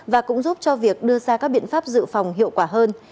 và cũng giúp cho việc đưa ra các biện pháp dự phòng hiệu quả hơn